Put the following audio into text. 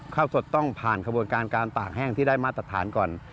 ข้าวสดต้องผ่านขบวนการการตากแห้งที่ได้มาตรฐานก่อน